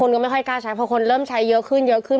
ก็ไม่ค่อยกล้าใช้เพราะคนเริ่มใช้เยอะขึ้นเยอะขึ้น